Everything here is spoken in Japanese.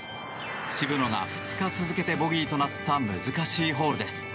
渋野が２日続けてボギーとなった難しいホールです。